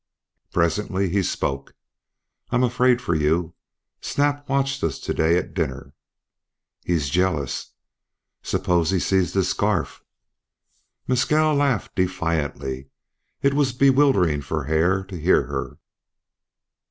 Presently he spoke. "I'm afraid for you. Snap watched us to day at dinner." "He's jealous." "Suppose he sees this scarf?" Mescal laughed defiantly. It was bewildering for Hare to hear her.